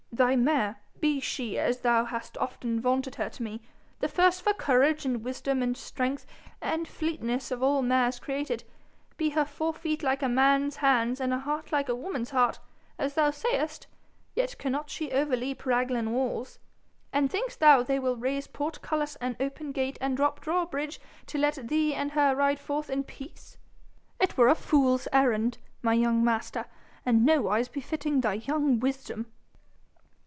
Thy mare, be she, as thou hast often vaunted her to me, the first for courage and wisdom and strength and fleetness of all mares created be her fore feet like a man's hands and her heart like a woman's heart, as thou sayest, yet cannot she overleap Raglan walls; and thinks thou they will raise portcullis and open gate and drop drawbridge to let thee and her ride forth in peace? It were a fool's errand, my young master, and nowise befitting thy young wisdom.'